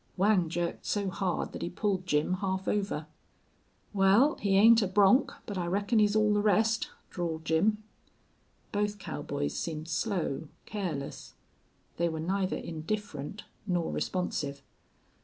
Whang jerked so hard that he pulled Jim half over. "Wal, he ain't a bronc, but I reckon he's all the rest." drawled Jim. Both cowboys seemed slow, careless. They were neither indifferent nor responsive.